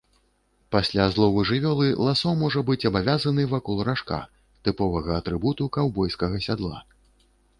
Пасля злову жывёлы ласо можа быць абвязаны вакол ражка, тыповага атрыбуту каўбойскага сядла.